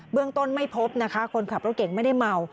เรื่องต้นไม่พบนะคะคนขับรถเก่งไม่ได้เมา